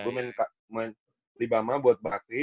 gue main libama buat bakri